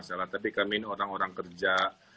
gak ada masalah tapi kami ini orang orang kerja